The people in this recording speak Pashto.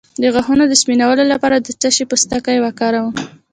د غاښونو د سپینولو لپاره د څه شي پوستکی وکاروم؟